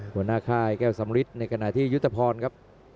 หัวหน้าค่ายแก้วสมฤทธิ์ในกระหน่ายที่ยุตภรณ์ครับ